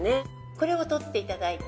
これを取っていただいて。